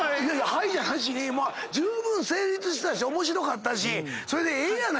「はい」じゃなしにじゅうぶん成立してたし面白かったしそれでええやない。